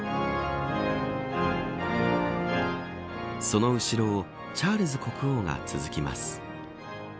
その後ろをチャールズ国王が続きます。